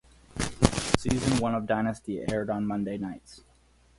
Season one of "Dynasty" aired on Monday nights.